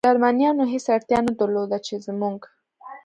جرمنیانو هېڅ اړتیا نه درلوده، چې زموږ.